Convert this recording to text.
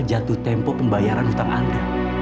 jatuh tempo pembayaran utang anda